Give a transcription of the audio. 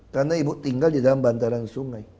karena ibu tinggal di dalam bantaran sungai